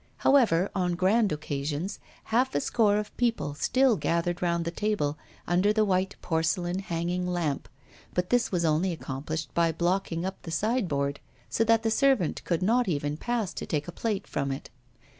However, on grand occasions half a score of people still gathered round the table, under the white porcelain hanging lamp, but this was only accomplished by blocking up the sideboard, so that the servant could not even pass to take a plate from it.